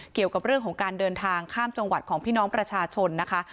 เกี่ยวกับเรื่องของการเดินทางข้ามจังหวัดของพี่น้องประชาชนนะคะ